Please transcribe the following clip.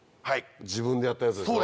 自分でやったやつでしょ？